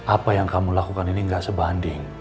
apa yang kamu lakukan ini gak sebanding